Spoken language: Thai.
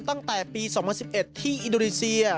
ตั้งแต่ปีสองพันสิบเอ็ดที่อินโดรีเซีย